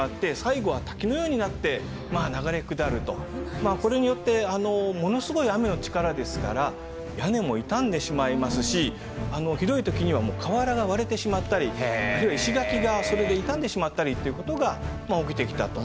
まあこれによってものすごい雨の力ですから屋根も傷んでしまいますしひどい時にはもう瓦が割れてしまったりあるいは石垣がそれで傷んでしまったりっていうことがまあ起きてきたと。